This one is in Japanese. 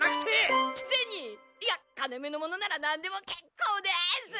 ゼニいや金めのものならなんでもけっこうです！